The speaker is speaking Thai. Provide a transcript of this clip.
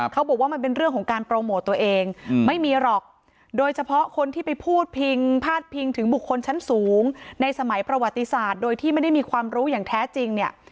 เขาบอกว่ามันเป็นเรื่องของการโปรโมทตัวเองไม่มีหรอกโดยเฉพาะคนที่ไปพูดพิงพาดพิงถึงบุคคลชั้นสูงในสมัยประวัติศาสตร์โดยที่ไม่ได้มีความรู้อย่างแท้จริงเนี่ย